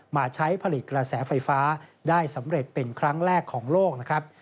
มาใช้ผลิตกระแสไฟฟ้าได้สำเร็จเป็นครั้งแรกของโลกนะครับ